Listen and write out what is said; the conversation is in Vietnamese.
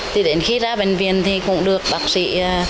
thì đến khi ra bệnh viện thì cũng được bác sĩ